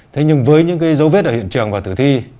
thế nhưng với những cái dấu vết ở hiện trường và tử thi